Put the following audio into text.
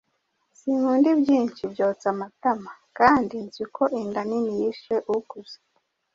sinkunda ibyinshi byotsa amatama, kandi nzi ko inda nini yishe ukuze.”